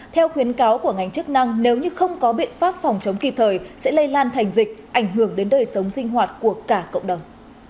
theo khuyến cáo của ngành chức năng nếu như không có biện pháp phòng chống kịp thời sẽ lây lan thành dịch ảnh hưởng đến đời sống sinh hoạt của cả cộng đồng